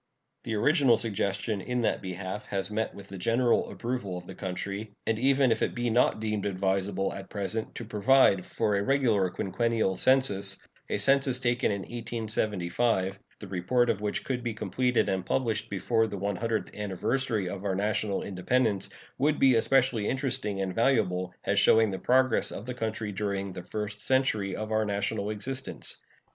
The original suggestion in that behalf has met with the general approval of the country; and even if it be not deemed advisable at present to provide for a regular quinquennial census, a census taken in 1875, the report of which could be completed and published before the one hundredth anniversary of our national independence, would be especially interesting and valuable, as showing the progress of the country during the first century of our national existence.